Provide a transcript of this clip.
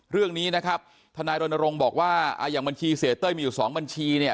เรื่องนี้นะครับทนายรณรงค์บอกว่าอย่างบัญชีเสียเต้ยมีอยู่สองบัญชีเนี่ย